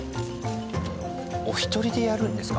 お一人でやるんですか？